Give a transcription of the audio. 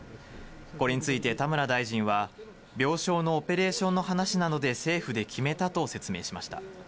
これについて田村大臣は、病床のオペレーションの話なので、政府で決めたと説明しました。